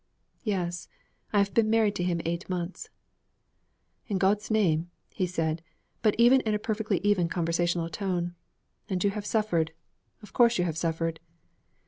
'Yes, I have been married to him eight months.' 'In God's name!' he said, but in a perfectly even conversational tone. 'And you have suffered. Of course you have suffered.'